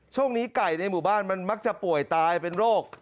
ช่วงนี้ไก่ในหมู่บ้านมันมักจะป่วยตายเป็นโรค